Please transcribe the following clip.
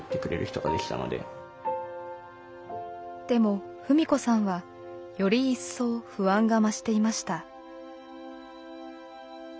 でも史子さんはより一層不安が増していました。